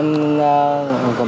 em còn mệt thôi